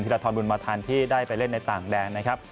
รทรบุญมาทันที่ได้ไปเล่นในต่างแดนนะครับ